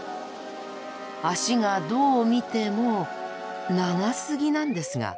脚がどう見ても長すぎなんですが。